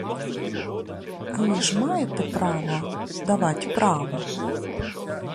А ви ж маєте право давать право?